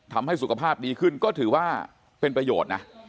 ทำให้สุขภาพดีขึ้นก็ถือว่าเป็นประโยชน์นะ